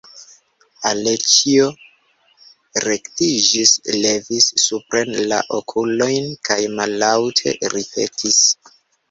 Aleĉjo rektiĝis, levis supren la okulojn kaj mallaŭte ripetis.